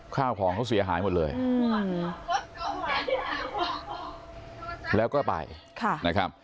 ข้าวของเขาเสียหายหมดเลยอืมแล้วก็ไปค่ะนะครับ